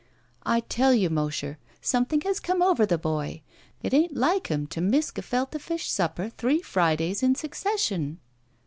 "I tell you, Mosher, something has come over the boy. It ain't like him to miss gefulte ^sh supper three Fridays in succession."